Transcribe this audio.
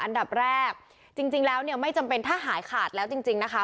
อันดับแรกจริงแล้วเนี่ยไม่จำเป็นถ้าหายขาดแล้วจริงจริงนะคะ